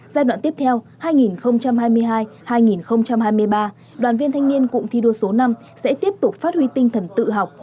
giai đoạn tiếp theo hai nghìn hai mươi hai hai nghìn hai mươi ba đoàn viên thanh niên cụm thi đua số năm sẽ tiếp tục phát huy tinh thần tự học